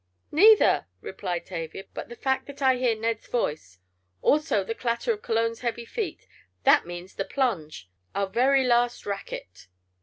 "Neither," replied Tavia. "But the fact that I hear Ned's voice. Also the clatter of Cologne's heavy feet. That means the plunge—our very last racket."